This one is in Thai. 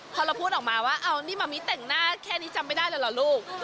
พอเราพูดออกมาว่าเอานี่มะมิแต่งหน้าแค่นี้จำไม่ได้เลยเหรอลูก